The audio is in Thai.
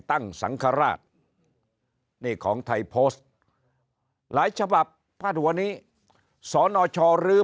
ตั้งสังฆราชนี่ของไทยโพสต์หลายฉบับพาดหัวนี้สนชรื้อ